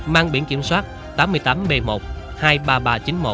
mang biển kiểm soát tám mươi tám b một hai mươi ba nghìn ba trăm chín mươi một